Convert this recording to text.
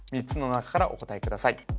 ３つの中からお答えください